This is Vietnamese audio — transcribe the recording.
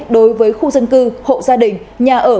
đối với khu dân cư hộ gia đình nhà ở